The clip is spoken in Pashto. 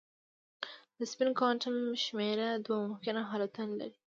د سپین کوانټم شمېره دوه ممکنه حالتونه لري.